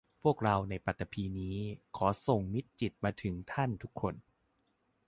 พวกเราในปฐพีนี้ขอส่งมิตรจิตมาถึงท่านทุกคน